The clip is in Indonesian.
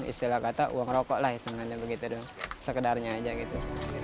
istilah kata uang rokok lah hitungannya begitu dong sekedarnya aja gitu